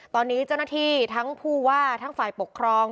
ตอนนี้เจ้าหน้าที่ทั้งผู้ว่าทั้งฝ่ายปกครอง